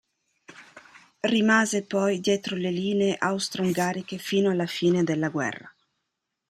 Rimase poi dietro le linee austro-ungariche fino alla fine della guerra.